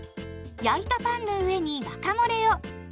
焼いたパンの上にワカモレを。